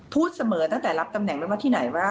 พูดเสมอตั้งแต่รับตำแหน่งไม่ว่าที่ไหนว่า